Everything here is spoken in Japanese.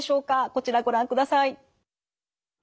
こちらご覧ください。